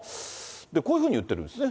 こういうふうに言ってるんですね。